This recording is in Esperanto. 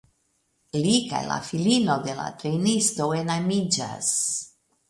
Li kaj la filino de la trejnisto enamiĝas.